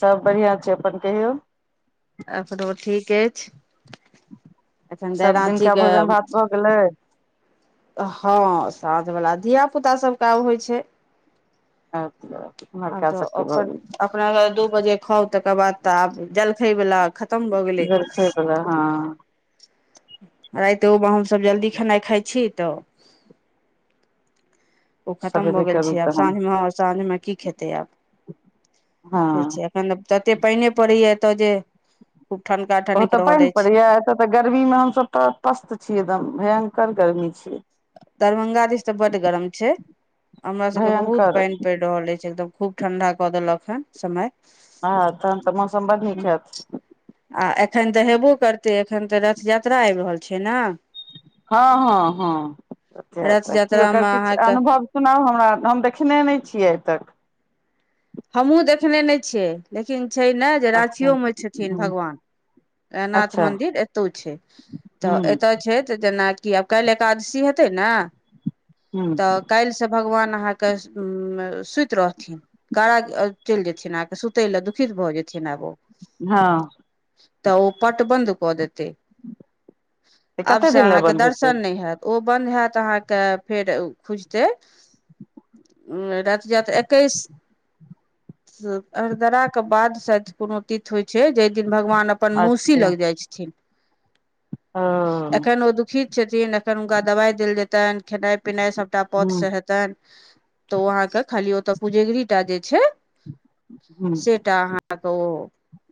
सब बढ़िआ छै। अपन कहियौ? एखन ओ ठीक अछि। एखन सब दिनका राँचीके भोजन भात भऽ गेलै हँ, साँझवला धिया-पुता सभके आब होइ छै। आब उम्हरका तऽ सबके भऽ अपन, गेलै अपन दू बजे। खाउ, तकर बाद तऽ आब जलखैवला खतम भऽ गेलै। जलखै बला हँ राइतोमे हमसभ जल्दी खेनाइ खाइ छी तऽ। ओ खतम भऽ सबेरे गेल करू छै, आब तहन साँझमे आ साँझमे की खैतै आब से हँ छै। मतलब, तते पानि पड़ैए एतऽ जे खूब ठनका ओ तऽ ठनकि रहल पानि अछि। पड़ैया एतऽ तऽ गर्मीमे हम तऽ पस्त छियै, एकदम भयंकर गर्मी छै। दरभंगा दिस तऽ बड़ गरम छै, हमरा सभके बहुत भयंकर पानि पड़ै। रहल अछि, छै एकदम खूब ठंडा कऽ देलक हऽन समय। हँ, तहन तऽ मौसम बड़ नीक हत। आ एखन तऽ हेबे करतै, एखन तऽ रथ यात्रा आबि रहल छै ने। हँ हँ हँ रथ की ओकर यात्रामे किछु अहाँके अनुभव सुनाउ हमरा हम देखने नहि छियै आइ तक हमहूँ देखने नहि छियै लेकिन छै ने जे अच्छा राँचीयोमे छथिन ह भगवान [unintelligible] नाथ अच्छा मंदिर एतौ छै तऽ हूँ एतय छै तऽ जेनाकि आब काल्हि एकादशी हेतै ने हूंम्म तऽ काल्हिसँ भगवान अहाँके सुति रहथिन काज चलि जेयथिन अहाँके सुतय लए दुखित भऽ जेथिन आब ओ हँ तऽ ओ पट बन्द कऽ देते तऽ आब कते से दिन लए अहाँके बन्द हेतै दर्शन नहि हेत ओ बन्द हेत अहाँके फेर खुजतै राति जात एकैस अरदराके बाद शायद कोनो तीथि होइत छै जाहि दिन भगवान अप अपन मौसी लग जाइत छथिन ह एखन ओ दुखित छथिन एखन हुनका दवाइ देल जेतनि खेनाइ पिनाइ सभटा ह पथसँ हेतनि तऽ ओ अहाँके खाली ओतऽ पुजेगरीटा जे छै ह से एकटा अहाँके ओ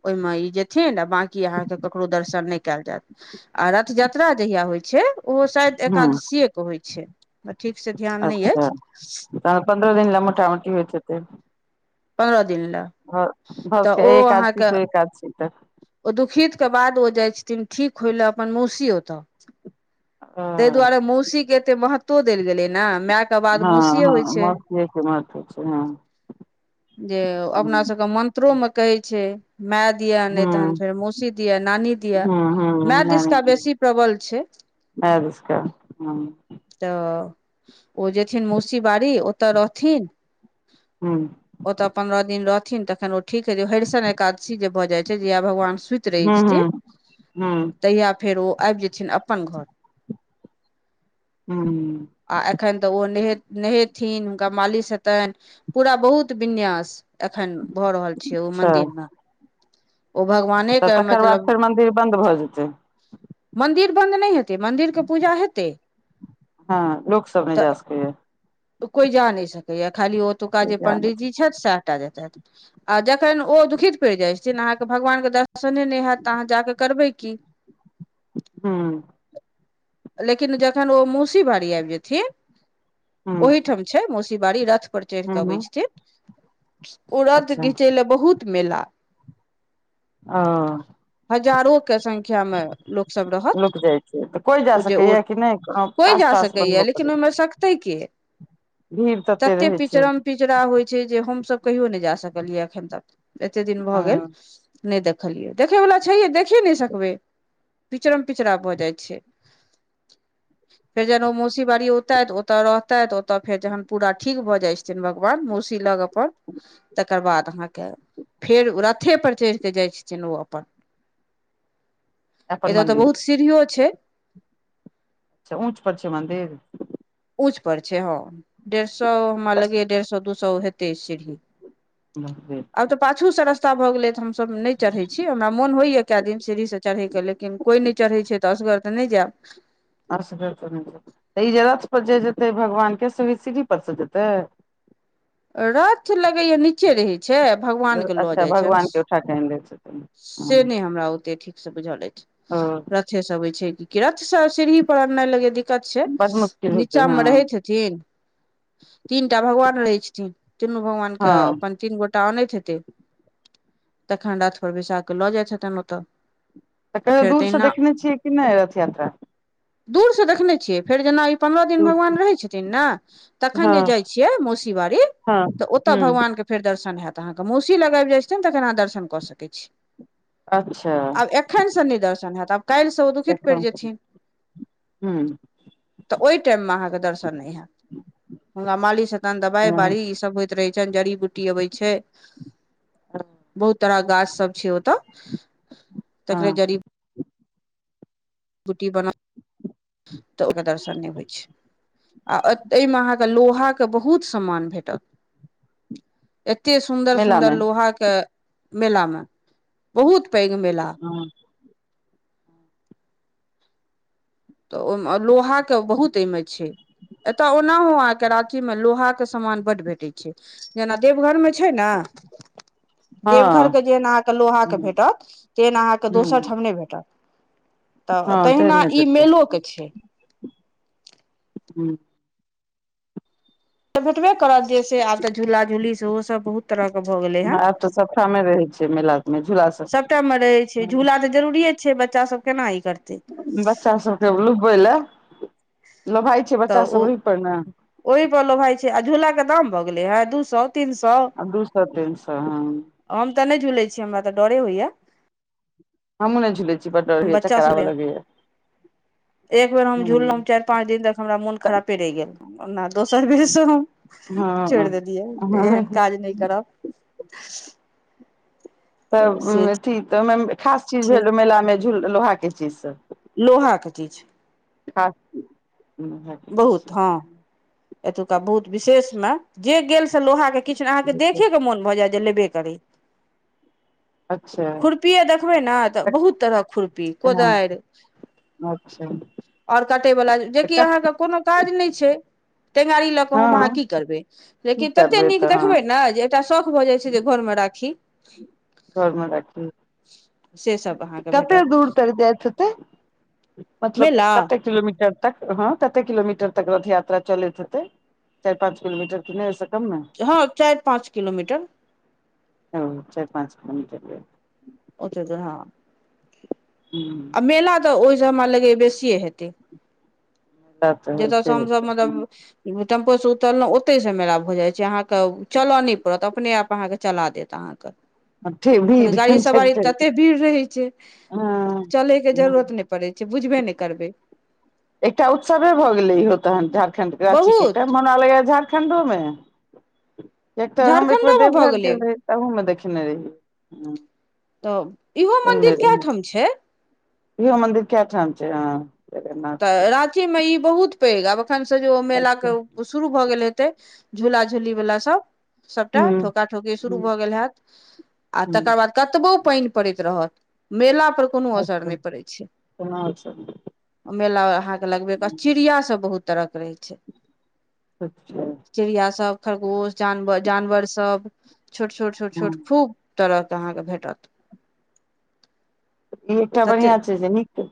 ओहिमे ई जेथिन बाँकी अहाँके ककरो दर्शन नहि कयल जायत आ रथ यात्रा जहिया होइ छै ओहो शायद ह एकादशीएके होइ छै ठीकसँ ध्यान नहि अछि त पन्द्रह दिन ल मुोटा मोटी होइत हेतै पन्द्रह दिन ले भ भस एक आ छी तँ एक आ छी तऽ ओ दुखितके बाद ओ जाइत छथिन ठीक होइ लए अपन मौसी ओतय ताहि हँ दुआरे मौसी के एते महत्वो देल गेलै ने माय के बाद हँ मौसीए होइ हँ छै मन् [unintelligible] त्र के छै हँ जे अपनासभके मन्त्रोमे कहैत छै माय दिया ने तऽ तहन हँ फेर मौसी दिया नानी दिया हँ हँ मैय दिसका बेसी प्रबल छै माए दिसका हँ तऽ ओ जेथिन मौसी बाड़ी ओतऽ रहथिन हूँ ओतऽ पन्द्रह दिन रहथिन तखन ओ ठीक हेतै हरिशन एकादशी जे भऽ जाइत छै जहिया भगवान सुति रहै हँ छथिन हँ हँ तहिया फेर ओ आबि जेथिन अपन घर हूंम्म आ एखन तऽ ओ नहे नेहेथिन हुनका मालिश हेतनि पूरा बहुत विन्यास एखन भऽ रहल छै ओ अच्छा मंन्दिर मे ओ भगवाने तऽ के तकर बाद मतलब फेर मंदिर बंन्द भऽ जेतै मंन्दिर बन्द नहि हेतै मंन्दिर के पूजा हेतै हँ लोक सब नै जा तऽ सकेए कोइ जा नै सकैये खाली ओतोऊका जे पंडितजी छथि सैहटा जेतथि आ जखन ओ दुखित पड़ जाइत छथिन अहाँके भगवान के दर्श ने नहि हेत तऽ जाकऽ करबै की हूँ लेकिन जखन ओ मौसी बारी आबि जेथिन हँ ओहिठाम छै मौसी बारी रथ पर चढ़ हँ कऽ अबै हँ छथिन ओ रथ अच्छा घिचय ले बहुत मेला ओ हजारो के संख्या मे लोक सब रह लोक जाइत छै तऽ कोइ ओ जे, ओ कोइ पास जा तास सकैए, बनबय पड़ै लेकिन छै ओहिमे सकतै के? भीड़ तते ततेक रहै छै पिचड़म पिचड़ होइ छै जे हम सभ कहियो नहि जा सकलियै एखन तक। एते दिन भऽ गेल हँ नहि देखलियै, देखैवला छैहे, देखिए नहि सकबै, पिचड़म पिचड़ भऽ जाइ छै। फेर जना ओ मौसी बारी एतऽ अएत, ओतऽ रह। तऽ ओतऽ फेर जहन पूरा ठीक भऽ जाइ छथिन, भगवान मौसी लग अपन तऽ तकर बाद अहाँके फेर रथे पर चढ़ि कऽ जाइ छथिन ओ अपन। अपन एत तऽ मंदिर बहुत सीढ़ीयो छै। अच्छा ऊच पर छै, मन्दिर? ऊँच पर छै, हँ डेढ़ सए हमरा लगै डेढ़ सए दू सए हेतै सीढ़ी। न आब तऽ पाछूसँ रस्ता भऽ गेलै तऽ हमसभ नहि चढ़ै छी, हमरा मोन होइए कए दिन सीढ़ीसँ चढ़ैके, लेकिन कोइ नहि चढ़ै छै तऽ असगर तऽ नहि जायब। अऽ तऽ ई जे रथपर जे जेतै भगवानके, से ओ सीढ़ीपरसँ जेतै। रथ लगैए नीचे रहैत छै। भगवानके लऽ जाइत छै। त से नहि, हमरा ओते ठीकसँ बुझल ओ अछि। सभ होइ छै, केकरा सीढ़ीपर ने लगे दऽ? दिक्कत छै, बड मुश्किल हेतै हँ नीचामे रहैत हेथिन। तीन टा भगवान रहै छथिन, तीनू भगवानके हँ अपन तीन गोटा। टानैत हेतै तऽ खण्डा थोर बैसा कऽ लऽ जाइत हेतै ओतऽ। तऽ आ कहियो फेर दूर से तहिना देखने छियै कि नहि रथ यात्रा? दूर से देखने छियै फेर जेना। पन्द्रह दिन दूर भगवान रहै छथिन, ने तखन हँ जे जाइ छियै मौसी बाड़ी हँ तऽ ओतय हूँ भगवानके फेर दर्शन होइ छै, अहाँके मौसी लग आबि जाइत छथिन, तखन अहाँ दर्शन कऽ सकै छी। अच्छा आब एखन से नहि दर्शन होयत, आब काल्हिसँ ओ दुखित देखब पड़ि जेथिन। हूँ तऽ ओइ टाइममे अहाँके दर्शन नइ हैत। हुंगा मालिश हऽ, तनि दबाइ हँ बराइश। सभ होइत रहै छै। जड़ी बूटी अबै छै, बहुत तरहके गाछ। सभ छै ओत हँ तखने जड़ी। चुटी बना तऽ ओकर दर्शन नहि होइ छै। आ एहिमे अहाँके लोहाके बहुत सामान भेटत। एतेक सुन्दर मेला सुन्दर मे लोहाके। मेलामे बहुत पैघ मेला। हँ तऽ ओहि लोहाके बहुत एहिमे छै। एतय ओनाहुँ अहाँके राँचीमे लोहाके सामान बड़ भेटै छै। जेना देवघरमे छै ने। देवघरके हँ जेहन अहाँके लोहाके भेटत, तेहन अहाँके दोसर ह ठाम नहि भेटत। तऽ हँ टेढ़ तहिना नहि ई भेटै मेलोके छै। हूँ तऽ भेटबे करत, जे से आज। तऽ झूला झूली सेहो सभ बहुत तरहके भऽ गेलै हँ। आब तऽ सबठामे रहै छै मेला मे झूला सब सभटामे रहै छै झूला, तऽ जरूरी छै, बच्चा सभ केना ई करत। बच्चा सभके लुभाबै लेल लोभाय। छै तऽ बच्चा ओ सब ओहि पर ने ओहिपर लोभाइ छै, आ झूलाके दाम भऽ गेलै हऽ, दू सए, तीन सए। आ दू सए, तीन सए हँ। हम तऽ नहि झूलै छी, हमरा तऽ डरे होइए। हँमु नइ झुलै बच्चा सब एक बेर हम झूललहुं हँ चारि पाँच दिन तक हमरा मोन खरापे रहि गेल ओ दोसर बेरसँ हम हँ छोड़ि देलियै एहन काज नइ करब तऽ अथी तऽ ओइमे खास चीज छै भेल मेलामे झूल लोहा के चीज सब लोहाके चीज हँ बहुत हँ एतुक्ता बहुत विशेषमे जे गेल से लोहाके किछु नै अहाँके सब देखेकेऽ मोन भऽ जायत जे लेबे करि अच्छा खुरपिए देखबै ने तऽ बहुत तरहक खुरपी हँ कोदारि अच्छा और कटयवला जेकि अहाँके कोनो काज नइ छै टेंगारी लऽ कऽ हम अहाँ हँ की करबै की लेकिन ततेक करबै नीक तऽ हँ देखबै ने जे एकटा शौख भऽ जाइ छै जे घर मे राखी घरमे राखी सेसभ अहाँके कते भेटत दूर पर जाइत हेतै मतलब मेला कते किलोमीटर तक हँ कते किलोमीटर तक रथ यात्रा चलैत हेतै चारि पाँंच किलोमीटर के नइ ओइसँ कमे हँ चारि पाँच किलोमीटर ओ चारि पाँच किलोमीटर ओतऽ जहाँ हूंम्म मेला तऽ ओइसे हमरा लगैए बेसिए हेतै जतयसँ होते हमसभ मतलब टेम्पो से उतरलहुँ ओते से मा भऽ जाय छै अहाँ के चलय न नहि पड़त अपने आप अहाँ के चला देत अहाँ के [unintelligible] भीड़ गाड़ी सवारी तते भीड़ रहै छै हँ चलय के जरूरत नइ पड़ै छै बुझबे नइ करबै एकटा उत्सवे भऽ गेले इहो तहन झारखंड राची के एकटा बहुत मना लगा झंड प्रखंडो मे एकटा हम एक बेर झारखण्डो मे भऽ देवघर गेलै गेल रहे तहू मे देखेने रहि हूंम्म तऽ इहो मन्दिर कए ठाम छै इहो मन्दिर कै ठाम छै हॅं तऽ राँची मे ई बहुत पैघ आब एखन से जे ओ मेला के ओ शुरू भऽ गेल हेतै झूला झुली वला सब ह सभटा ठोका ठोकी शुरू ह भऽ गेल हैत आ ह तकर बाद कतबो पानि पड़ैत रहत मेला पर कोनो असर नहि पड़ैत छै केना छै [unintelligible] मेला अहाँके लगबे कऽ चिड़िया सब बहुत तरह के रहै छै अच्छा चिड़िया सब खरगोश जानवर जानवर सब छोट छोट छोट हँ छोट खूब तरहके अहाँकेँ भेटत ई एकटा तते बढ़ियाँ छै जे नीक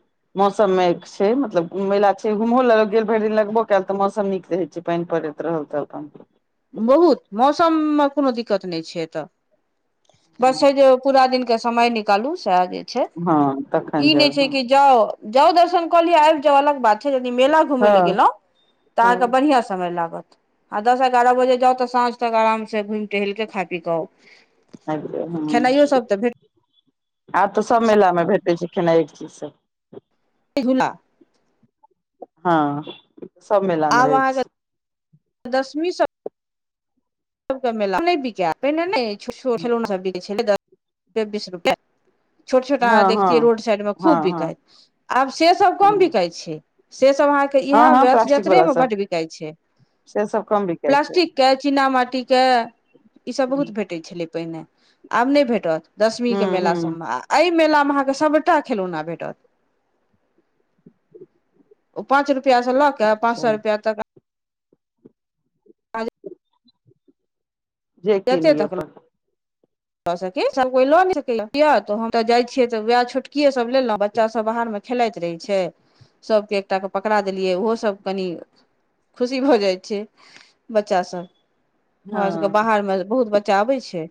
मौसममे छै मतलब घूमा ले छै घूमहो गेल भरि दिन लगबो कयल तऽ मौसम नीक रहैत छै पानि पड़ेत रहल तऽ अपन बहुत मौसममे कोनो दिक्कत नहि छै एतय बस छै जे पूरा दिन के समय निकालू सॅं जे हँ तखन ई नहि जेब छै कि जाउ जाउ दर्शन क लि आबि जा अलग बात छै यदि मेला घुमे ले हँ गेलउ तऽ अहाँ के हँ बढ़ियाँ समय लागत एगारह बजे जाउ तऽ साँझ तक आराम से घुमि टहल के खाके पी क आबि जायब खेनाइयो हँ सब तऽ भेट आब तऽ सभ मेलामे भेटैत छै खेनाइ एक चीजसँ एगुला [unintelligible] हँ सभ मेलामे आब रहै छै अहाँके दशमी सॅं सबके मेला नहि बिकाय [unintelligible] त पहिने ने छोट खेलौना सब बिकै छलै दस रूपय बीस रुपआ छोट छोट हँ अहाँ हँ देखतियै रोड साइड मे खूब हँ हँ बिकाइत आब से सब कम बिकाइत छै से सब अहाँके हँ इएह हँ प्लास्टिक वाला यत्रेमे सब बड्ड बिकाइ छै से सब कम बिकाइ छै प्लास्टिक के चीना माटीके ईसभ बहुत भेटैत छलै पहिने आब नहि भेटत दशमीके हूँ मेला हूँ सभमे आ एहि मेलामे अहाँकेँ सभटा खेलौना भेटत ओ पाँच रुपआ से लऽ के पाँच अच्छा सए रुपआ तक जे जते किनी तक अपन सकी सभ कोइ लऽ [unintelligible] नहि सकय त हम तऽ जाइ छियै तऽ वएह छोटकिये सब लेलहुं बच्चा सब बाहर मे खेलाइत रहै छै सभके एकटा कऽ पकड़ा देलियै ओहो सभ कनि खुशी भऽ जाइ छै बच्चा सब हमरा सभके हँ बाहरमे बहुत बच्चा आबै छै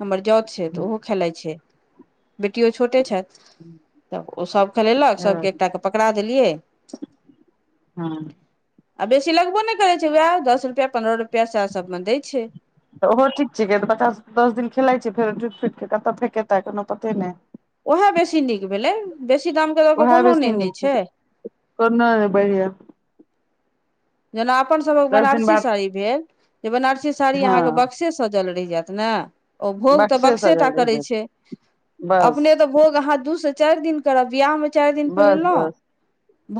हमर जाउत छै तऽ ओहो खेलाइत छै बेटियो छोटे छथि तऽ ओ सभ खेलेलक हँ सभके एकटाके पकड़ा देलियै हँ आ बेसी लगबो ने करै छै उएह दस रुपआ पन्द्रह रुपआ सएह सबमे दै छै तऽ ओहो ठीक छिकै बच्चास दस दिन खेला छै फेर टुटि फुटि कऽ कतहु फेकेतै कोनो पते नहि ओएह बेसी नीक भेलै बेसी दामके दऽ कऽ ओएह कोनो नहि बेसी ने नीक छै कोनो नहि बढ़ियाँ जेना अपन सबक दस दिन बनारसी बाद साड़ी भेल जे बनारसी साड़ी हँ अहाँके बक्से सजपल रहि जायत ने ओ भोग तऽ बक्से बक्सेटा सजल रहि करै जायत छै बस अपने तऽ भोग अहाँ दू से चारि दिन करब बियाह मे चारि दिन बस पहिरलहु बस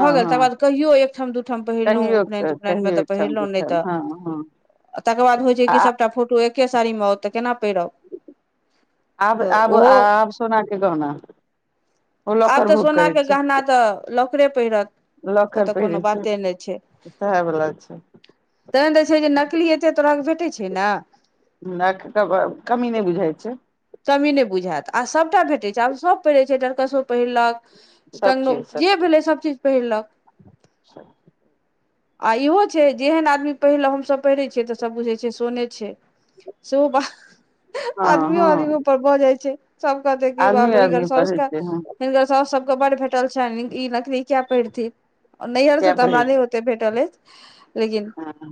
हँ भऽ गेल तकर हँ बाद कहियो एकठाम दू ठाम पहिरलहु कहियो उपनयन उपनयन मे कहियो तऽ एकठाम पहिरलौं नहि एकठाम तऽ हँ हँ तकर बाद होइ छै कि आ सबटा फोटो एक खे साड़ी मे आउत तऽ केना पहिरब आब तऽ आब ओहो आब सोना के गहना ओ आब लॉकर तऽ भोग सोना करै के छै गहना तऽ लाॅकरे पहिरत ओ लॉकर तऽ कोनो पहिरै छै बाते नहि छै सएह वला छै तैहन तऽ छै जे नकली एते तरहक भेटैत छै न मिला [unintelligible] कऽ कमी नहि बुझाइ छै तमी नहि बुझायत आ सभटा भेटैत छै आब सभ पहिरे छै डरकसो पहिरलक क सब चीज जे भेलै सभ चीज पहिरलक सब आ इहो छै जेहन आदमी पहिरल हम सभ पहिरै छियै तऽ सभ बुझैत छै सोने छै शो हँ आदमियो हँ आदमी पर भऽ जाइ छै सब कहतै की आदमी बाप रे हिनकर आदमी साउस पहिरै छै हँ तऽ सब सब के बड भेटल छ ई नकली किया पहिरथिन नैहर से किया तऽ हमरा पहिरै नहि ओते भेटल अछि लेकिन छै हँ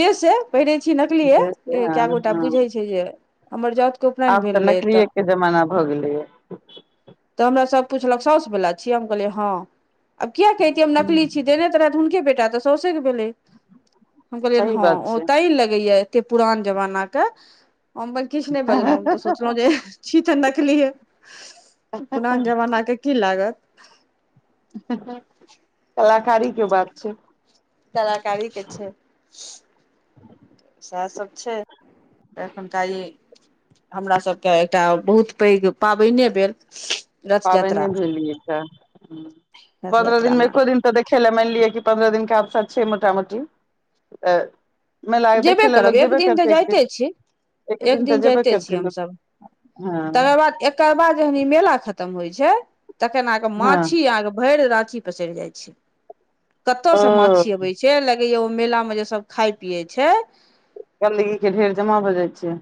जेसे पहिरे छी नकलिये जे छै हँ कए गोटा हँ बुझे छै जे हमर जाउत के उपनयन आब तऽ भेल रहै नकिये के जमाना भऽ गेलेय तऽ हमरा सभ पुछलक साउसवला छियै हम कहलियै हँ आब किए कहितियै हम नकली छी देने त रहथि हुनके बेटा तऽ साउसे केभेलै हम कहलियै सही हँ बात ओ छै ते लगैया एते पुरान जमाना के किछ नहि बजलौं तऽ सोचलहु जे छी तऽ नकली ह पुरान जमाना के की लागत कलाकारी के बात छै कलाकारी के छै सएह सभ छै एखुनका ई हमरा सभके एकटा बहुत पैघ पाबनि भेल रथ पाबनि यात्रा भेलिय एकटा तऽ रथ पन्द्रह दिन मे यात्रामे एको दिन तऽ देखै लए मानि लिअ कि पन्द्रह दिन के आवसाद छै मोटा मोटी मेला जेबे देखै लए करब लोक एक जेबे दिन तऽ करतै एक जाइते छी एक तऽ दिन जेबे जाइते करतै छीयै लोक हमसभ हँ तकर बाद एक तकर बाद जहन ई मेला खतम होइ छै तखन आके हँ माछी आहाँ के भरि राखी पसरि जाइ छै कतऽ ओ से माछी अबे छै लगेया ओ मेला मे जे सब खाय पिये छै छै गंदगी के ढेर जमा भए जाइ छै